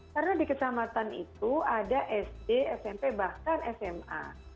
karena di kecamatan itu ada sd smp bahkan sma